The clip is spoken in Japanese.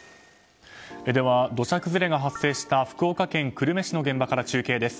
土砂崩れが発生した福岡県久留米市の現場から中継です。